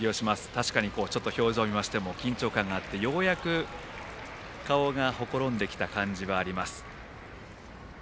確かに表情を見ましても緊張感があってようやく顔がほころんできた感じはあります。